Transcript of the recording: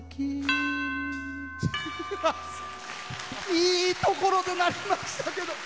いいところで鳴りましたけど。